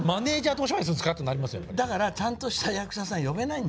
だからちゃんとした役者さん呼べないんですよ。